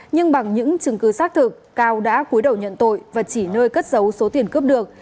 nhưng bằng những chứng cứ xác thực cao đã cuối đầu nhận tội và chỉ nơi cất dấu số tiền cướp được